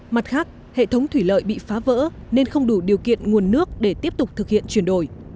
mặt khác hệ thống thủy lợi bị phá vỡ nên không đủ điều kiện nguồn nước để tiếp tục thực hiện chuyển đổi